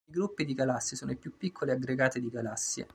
I gruppi di galassie sono i più piccoli aggregati di galassie.